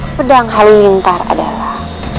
pedang halilintar adalah